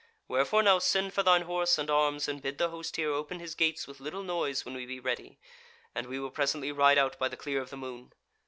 Wherefore now send for thine horse and arms, and bid the host here open his gates with little noise when we be ready; and we will presently ride out by the clear of the moon.